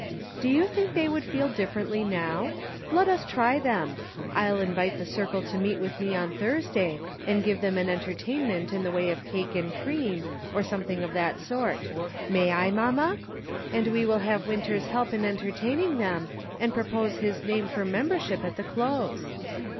" Do you think they would feel differently now ? Let us try them. I'll invite the circle to meet with me on Thursday, and give them an entertainment in the way of cake and cream, or something of that sort ; may I, mamma ? And we will have Winter's help in entertaining them, and propose his name for membership at the close."